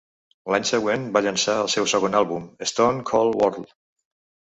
L'any següent, va llançar el seu segon àlbum, "Stone Cold World".